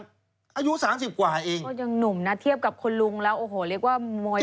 อายุสามสิบกว่าเองก็ยังหนุ่มนะเทียบกับคุณลุงแล้วโอ้โหเรียกว่ามวย